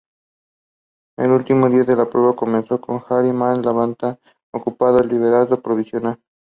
El último día de la prueba comenzó con Jari-Matti Latvala ocupando el liderato provisional.